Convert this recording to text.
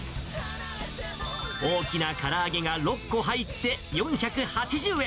大きなから揚げが６個入って４８０円。